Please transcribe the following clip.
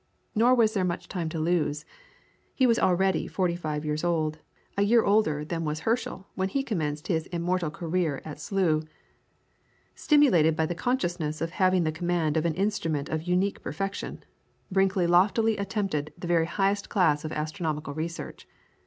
Nor was there much time to lose. He was already forty five years old, a year older than was Herschel when he commenced his immortal career at Slough. Stimulated by the consciousness of having the command of an instrument of unique perfection, Brinkley loftily attempted the very highest class of astronomical research.